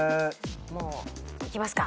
もういきますか。